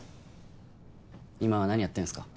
今は何やってんすか？